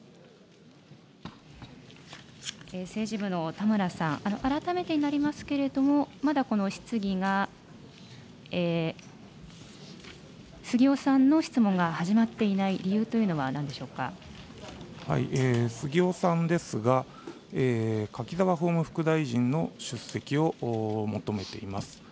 政治部の田村さん、改めてになりますけれども、まだこの質疑が杉尾さんの質問が始まっていない理由というのはな杉尾さんですが、柿沢法務副大臣の出席を求めています。